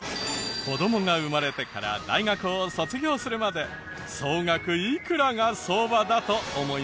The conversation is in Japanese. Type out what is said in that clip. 子どもが生まれてから大学を卒業するまで総額いくらが相場だと思いますか？